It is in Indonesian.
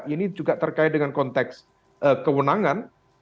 ini juga terkait dengan konteks kewenangan